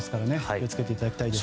気を付けていただきたいです。